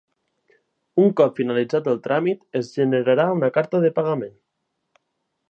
Un cop finalitzat el tràmit es generarà una carta de pagament.